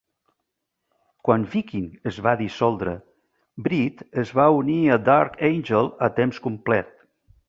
Quan Viking es va dissoldre, Breet es va unir a Dark Angel a temps complet.